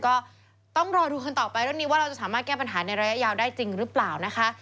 ก็ต้องรอดูกันต่อไปเรื่องนี้ว่าเราจะสามารถแก้ปัญหาในระยะยาวได้จริงหรือเปล่านะคะ